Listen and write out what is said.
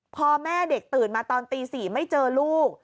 พอแม่เด็กตื่นมาตอนตี๔ไม่เจอลูก